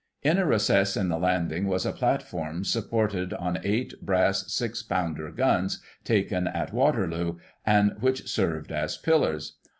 " In a recess on the landing was a platform supported on eight brass six pounder guns, taken at Waterloo, and which served as pillars.